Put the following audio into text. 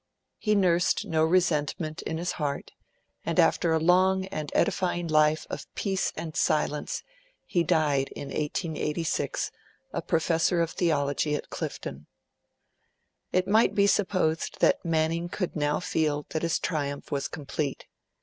He nursed no resentment in his heart, and, after a long and edifying life of peace and silence, he died in 1886, a professor of theology at Clifton. It might be supposed that Manning could now feel that his triumph was complete.